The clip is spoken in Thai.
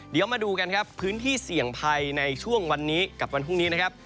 เดี๋ยวมาดูกันครับพื้นที่เสี่ยงภัยในช่วงวันนี้กับวันพรุ่งนี้นะครับ